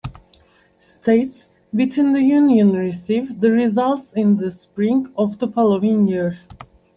States within the Union receive the results in the spring of the following year.